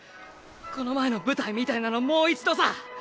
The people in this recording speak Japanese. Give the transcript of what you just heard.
この前の舞台みたいなのもう一度さ。